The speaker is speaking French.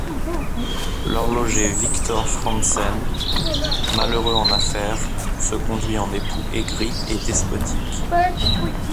L'horloger Viktor Frandsen, malheureux en affaires, se conduit en époux aigri et despotique.